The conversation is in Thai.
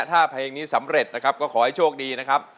ถ้าเพลงนี้สำเร็จนะครับก็ขอให้โชคดีนะครับ